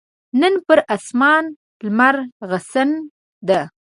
نن پر اسمان لمرغسن ده